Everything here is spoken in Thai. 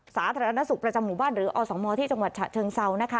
สาธารณสุขประจำหมู่บ้านหรืออสมที่จังหวัดฉะเชิงเซานะคะ